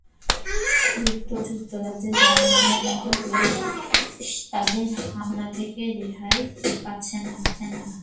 যুক্তরাষ্ট্র, যুক্তরাজ্য, জার্মানির মতো দেশও তাদের হামলা থেকে রেহাই পাচ্ছে না।